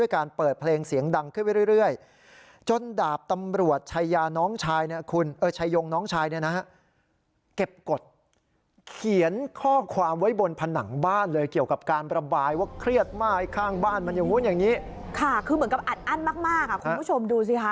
คือเหมือนกับอัดอั้นมากคุณผู้ชมดูสิค่ะ